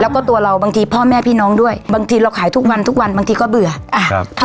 แล้วก็ตัวเราบางทีพ่อแม่พี่น้องด้วยบางทีเราขายทุกวันทุกวันบางทีก็เบื่ออ่าครับ